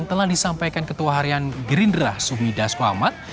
telah disampaikan ketua harian gerindra sumidas klamat